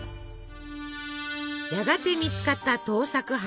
やがて見つかった盗作犯。